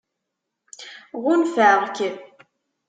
Ɣunfaɣ-k.